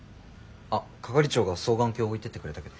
あっ係長が双眼鏡置いていってくれたけど。